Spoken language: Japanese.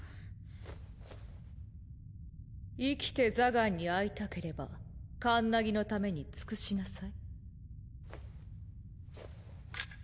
生きてザガンに会いたければカンナギのために尽くしなさい。